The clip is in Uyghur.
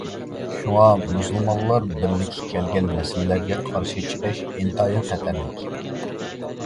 شۇڭا مۇسۇلمانلار بىرلىككە كەلگەن مەسىلىلەرگە قارشى چىقىش ئىنتايىن خەتەرلىك.